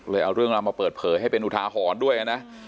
เลยเอาเรื่องนั้นมาเปิดเผลอให้เป็นอุทาหรณ์ด้วยน่ะ